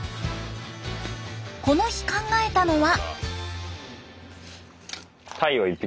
この日考えたのは。